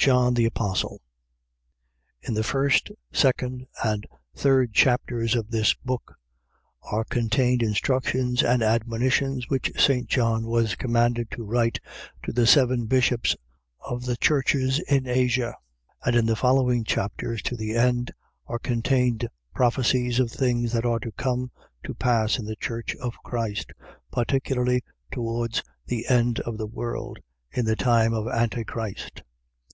JOHN THE APOSTLE In the first, second, and third chapters of this Book are contained instructions and admonitions which St. John was commanded to write to the seven bishops of the churches in Asia. And in the following chapters, to the end, are contained prophecies of things that are to come to pass in the Church of Christ, particularly towards the end of the world, in the time of Antichrist.